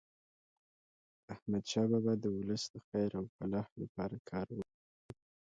احمدشاه بابا د ولس د خیر او فلاح لپاره کار وکړ.